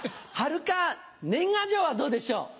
はるか年賀状はどうでしょう？